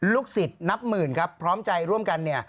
ลูกศิษย์นับหมื่นครับพร้อมใจร่วมกันเนี่ย